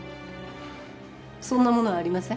そんなものはありません。